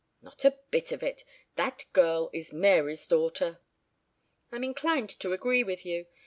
"Not a bit of it. That girl is Mary's daughter." "I'm inclined to agree with you.